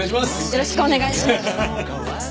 よろしくお願いします。